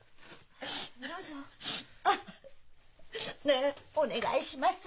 ねえお願いします！